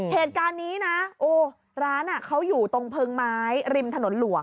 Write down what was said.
เหตุการณ์นี้นะโอ้ร้านเขาอยู่ตรงเพลิงไม้ริมถนนหลวง